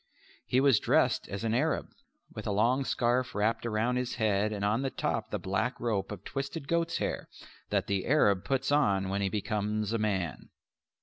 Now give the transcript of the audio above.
He was dressed as an Arab, with a long scarf wrapped about his head and on the top the black rope of twisted goats' hair that the Arab puts on when he becomes a man.